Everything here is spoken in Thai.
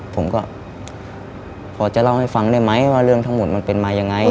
ผมก็พอจะเล่าให้ฟังได้ไหมว่าเรื่องทั้งหมดมันเป็นมายังไง